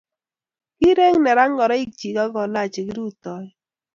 kierek neran ngoroik chi akolach chekirutoi